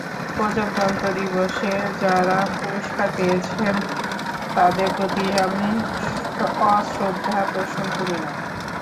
প্রজাতন্ত্র দিবসে যাঁরা পুরস্কার পেয়েছেন, তাঁদের প্রতি আমি অশ্রদ্ধা পোষণ করি না।